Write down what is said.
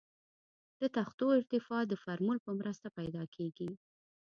د تختو ارتفاع د فورمول په مرسته پیدا کیږي